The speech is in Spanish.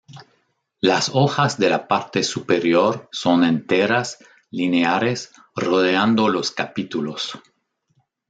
Las hojas de la parte superior son enteras, lineares, rodeando los capítulos.